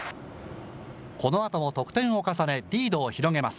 このあとも得点を重ね、リードを広げます。